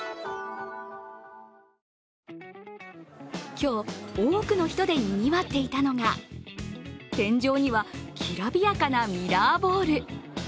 今日、多くの人でにぎわっていたのが天井にはきらびやかなミラーボール。